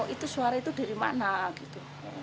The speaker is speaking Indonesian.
itu suara itu dari mana gitu